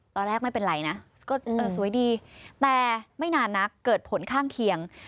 ตอนแรกไม่เป็นไรนะก็สวยดีแต่ไม่นานนะเกิดผลข้างเคียง